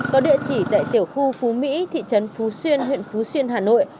có địa chỉ tại tiểu khu phú mỹ thị trấn phú xuyên huyện phú xuyên hà nội